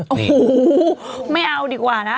โอ้โหไม่เอาดีกว่านะ